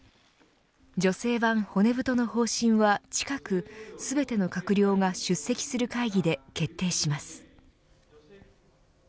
女性版骨太の方針は近く全ての閣僚が出席する会議で決定します。